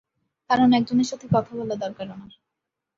কারণ একজনের সাথে কথা বলা দরকার আমার।